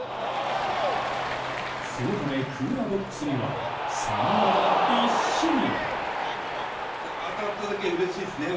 そのためクーラーボックスにはサンマがびっしり！